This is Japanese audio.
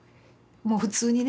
もう普通にね。